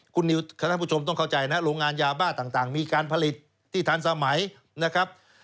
คุณนิวคณะผู้ชมต้องเข้าใจนะโรงงานยาบ้าต่างมีการผลิตที่ทันสมัยนะครับ